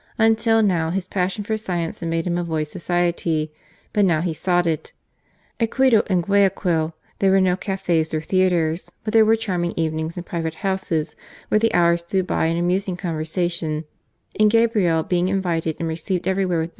Until now, his passion for science had made him avoid society, but now he sought it. At Quito and Guayaquil there are no ca^ or theatres, but there were charming evenings lii private houses, where the hours flew by in amusing conversation, and Gabriel being invited and received everywhere with I Justum ac tenacem propositi vinim